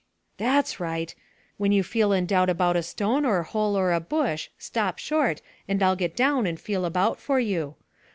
Ck! That's right. When you feel in doubt about a stone or hole or a bush, stop short and I'll get down and feel about for you.